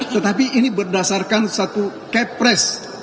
tetapi ini berdasarkan satu kepres